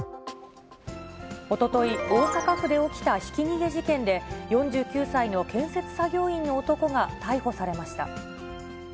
おととい、大阪府で起きたひき逃げ事件で、４９歳の建設作業員の男が逮捕されました。